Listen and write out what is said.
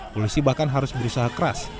polisi bahkan harus berusaha keras